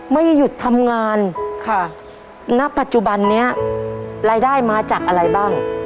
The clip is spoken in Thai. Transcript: ไม่หยุดทำงานค่ะณปัจจุบันนี้รายได้มาจากอะไรบ้าง